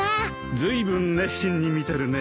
ずいぶん熱心に見てるね。